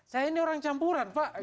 saya ini orang campuran pak